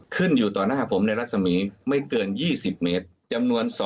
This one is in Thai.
ขึ้นอยู่ต่อหน้าผมในรัศมีร์ไม่เกิน๒๐เมตรจำนวน